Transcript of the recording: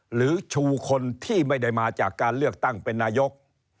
หรือชูคนที่ไม่ได้มาจากการเลือกตั้งเป็นนายก